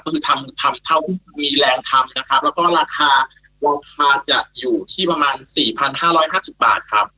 ก็คือทำทำเท่าที่มีแรงทำนะครับแล้วก็ราคาวงคาจะอยู่ที่ประมาณสี่พันห้าร้อยห้าสิบบาทครับ